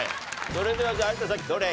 それでは有田さんどれ？